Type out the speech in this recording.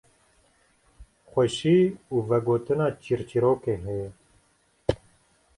xweşî û vegotina çîrçîrokê heye